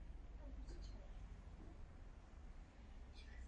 Směrem do vnitrozemí terén pomalu stoupá a nastupuje tropický deštný prales.